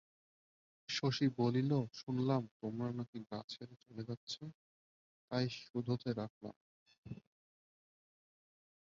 শশী বলিল, শুনলাম তোমরা নাকি গাঁ ছেড়ে চলে যাচ্ছে, তাই শুধোতে ডাকলাম।